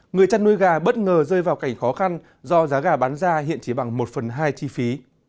người chăn nuôi gà bất ngờ rơi vào cảnh khó khăn do giá gà bán ra hiện chỉ bằng một phần hai chi phí